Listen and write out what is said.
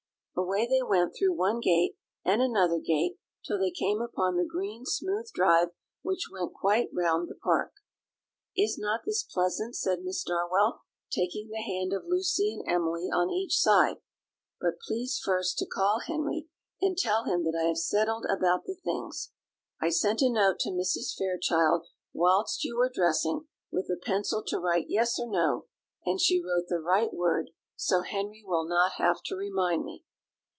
Away they went through one gate and another gate, till they came upon the green smooth drive which went quite round the park. "Is not this pleasant?" said Miss Darwell, taking the hand of Lucy and Emily on each side; "but please first to call Henry, and tell him that I have settled about the things. I sent a note to Mrs. Fairchild whilst you were dressing, with a pencil to write yes or no, and she wrote the right word; so Henry will not have to remind me.